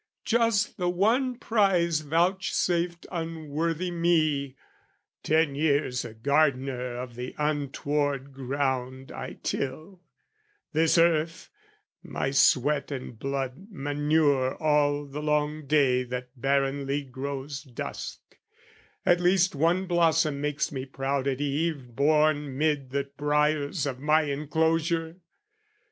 Just the one prize vouchsafed unworthy me, Ten years a gardener of the untoward ground, I till, this earth, my sweat and blood manure All the long day that barrenly grows dusk: At least one blossom makes me proud at eve Born 'mid the briers of my enclosure!